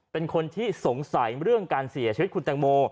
เป็นคนที่สงสัยเรื่องการเสียชีวิตคุณแตงโม